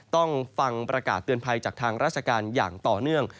ต้องฟังประกาศเตือนภัยจากทางราชการอย่างต่อเนื่อง